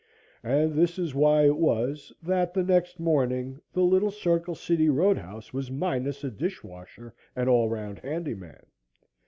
And this is why it was that, the next morning, the little Circle City road house was minus a dishwasher and all round handyman.